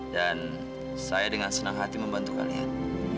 dan saya dengan senang hati membantu kalian